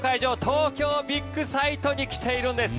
東京ビッグサイトに来ているんです。